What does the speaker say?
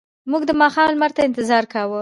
موږ د ماښام لمر ته انتظار کاوه.